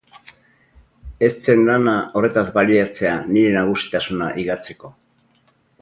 Ez zen lana horretaz baliatzea nire nagusitasuna higatzeko.